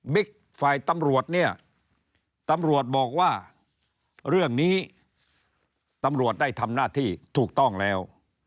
ฝ่ายตำรวจเนี่ยตำรวจบอกว่าเรื่องนี้ตำรวจได้ทำหน้าที่ถูกต้องแล้ว